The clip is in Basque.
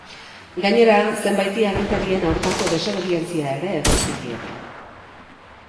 Gainera, zenbaiti agintarien aurkako desobedientzia ere egotzi diete.